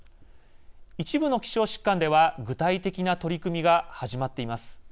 一部の希少疾患では具体的な取り組みが始まっています。